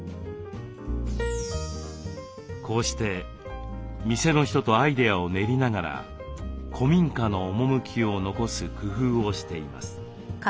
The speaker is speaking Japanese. こうして店の人とアイデアを練りながら古民家の趣を残す工夫をしています。